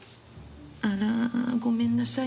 あらごめんなさい